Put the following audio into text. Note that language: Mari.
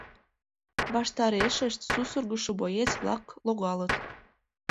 Ваштарешышт сусыргышо боец-влак логалыт.